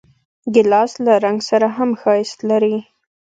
ګیلاس له رنګ سره هم ښایست لري.